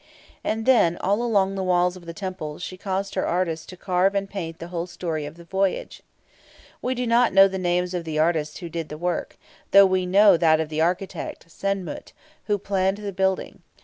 And then, all along the walls of the temple, she caused her artists to carve and paint the whole story of the voyage. We do not know the names of the artists who did the work, though we know that of the architect, Sen mut, who planned the building.